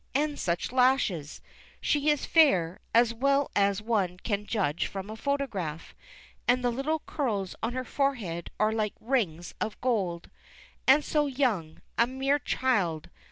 and such lashes! She is fair, as well as one can judge from a photograph. And the little curls on her forehead are like rings of gold. And so young, a mere child.